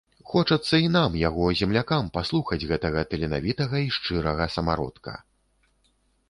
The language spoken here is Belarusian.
Хочацца і нам, яго землякам, паслухаць гэтага таленавітага і шчырага самародка.